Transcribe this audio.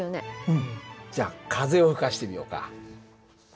うんじゃあ風を吹かしてみようか。